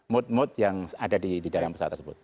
mode mode yang ada di dalam pesawat tersebut